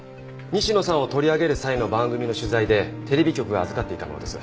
西野さんを取り上げる際の番組の取材でテレビ局が預かっていたものです。